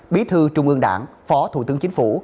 bí thư trung ương đảng phó thủ tướng chính phủ